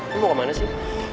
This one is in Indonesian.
lu mau ke mana sih